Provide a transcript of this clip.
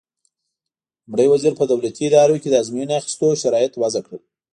لومړي وزیر په دولتي ادارو کې د ازموینې اخیستو شرایط وضع کړل.